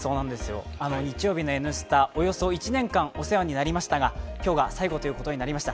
日曜日の「Ｎスタ」、お世話になりましたが、今日が最後ということになりました。